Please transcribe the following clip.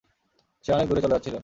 সে অনেক দূরে চলে যাচ্ছিল।